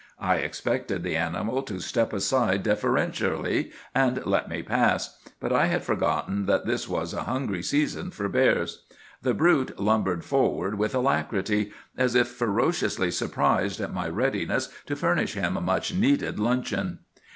I expected the animal to step aside deferentially and let me pass, but I had forgotten that this was a hungry season for bears. The brute lumbered forward with alacrity, as if ferociously surprised at my readiness to furnish him a much needed luncheon.